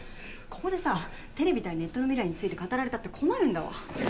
ここでさテレビ対ネットの未来について語られたって困るんだわ。